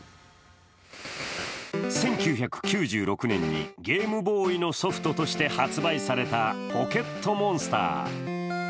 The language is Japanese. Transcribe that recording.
１９９６年にゲームボーイのソフトとして発売された「ポケットモンスター」。